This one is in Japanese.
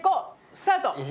スタート！